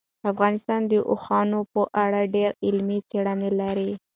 افغانستان د اوښانو په اړه ډېرې علمي څېړنې لري.